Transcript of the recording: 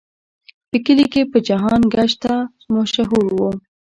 په کلي کې په جهان ګشته مشهور و.